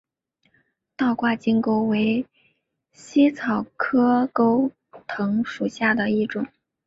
倒挂金钩为茜草科钩藤属下的一个种。